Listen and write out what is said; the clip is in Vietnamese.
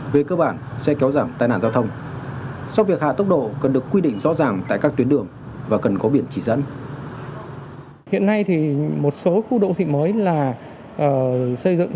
về cơ bản sẽ kéo giảm tai nạn giao thông